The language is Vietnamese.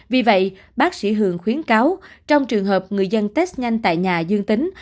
vì vậy bác sĩ hường khuyến cáo trong trường hợp người dân test nhanh tại nhà dương tính